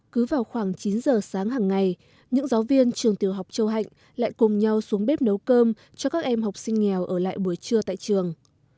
cứ vào khoảng chín giờ sáng hàng ngày những giáo viên trường tiểu học châu hạnh lại cùng nhau xuống bếp nấu cơm cho các em học sinh nghèo ở lại buổi trưa tại trường